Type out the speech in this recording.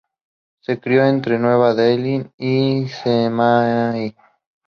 Se crio entre Nueva Delhi y Chennai.